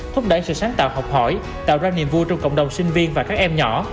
thúc đẩy sự sáng tạo học hỏi tạo ra niềm vui trong cộng đồng sinh viên và các em nhỏ